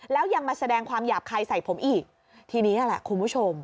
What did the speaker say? แล้วยังมาแสดงความหยาบคายใส่ผมอีกทีนี้แหละคุณผู้ชม